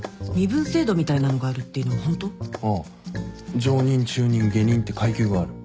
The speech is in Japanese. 上忍中忍下忍って階級がある。